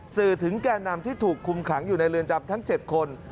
สื่อถึงแก่นำที่ถูกคุมขังอยู่ในเรือนจำทั้ง๗คน